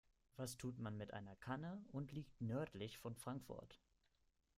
Was tut man mit einer Kanne und liegt nördlich von Frankfurt?